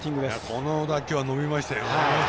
この打球は伸びましたよね。